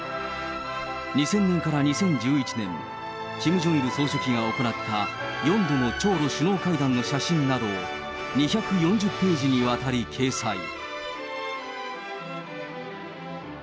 ２０００年から２０１１年、キム・ジョンイル総書記が行った、の朝ロ首脳会談の写真などを、２４０ページにわたり、掲載。